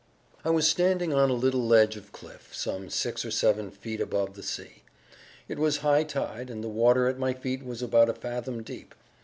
"I was standing on a little ledge of cliff, some six or seven feet above the sea. It was high tide, and the water at my feet was about a fathom deep.